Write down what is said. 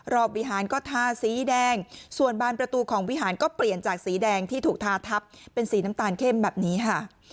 วิหารก็ทาสีแดงส่วนบานประตูของวิหารก็เปลี่ยนจากสีแดงที่ถูกทาทับเป็นสีน้ำตาลเข้มแบบนี้ค่ะ